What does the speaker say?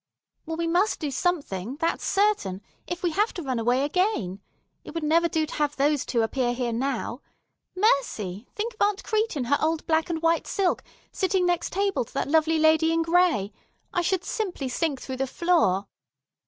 "Well, we must do something, that's certain, if we have to run away again. It would never do to have those two appear here now. Mercy! think of Aunt Crete in her old black and white silk sitting next table to that lovely lady in gray. I should simply sink through the floor."